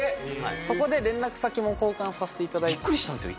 そこで連絡先も交換させていただいてびっくりしたんですよ